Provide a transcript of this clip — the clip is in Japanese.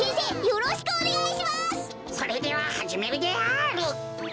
それでははじめるである。